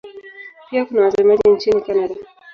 Pia kuna wasemaji nchini Kanada.